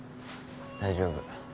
大丈夫。